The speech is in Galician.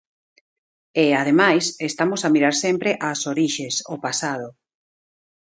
E, ademais, estamos a mirar sempre ás orixes, ao pasado.